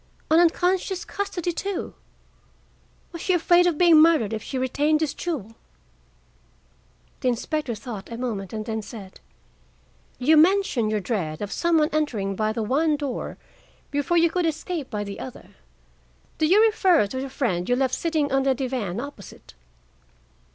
An unconscious custody, too? Was she afraid of being murdered if she retained this jewel?" The inspector thought a moment, and then said: "You mention your dread of some one entering by the one door before you could escape by the other. Do you refer to the friend you left sitting on the divan opposite?"